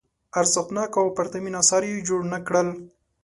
ارزښتناک او پرتمین اثار یې جوړ نه کړل.